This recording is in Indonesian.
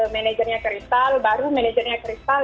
manajernya crystal baru manajernya crystal